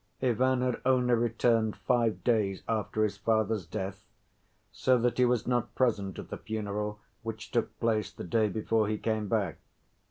Ivan had only returned five days after his father's death, so that he was not present at the funeral, which took place the day before he came back.